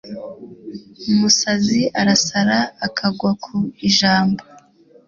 umusazi arasara akagwa ku ijambo